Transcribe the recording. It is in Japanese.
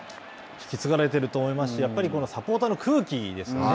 引き継がれていると思いますしサポーターの空気ですよね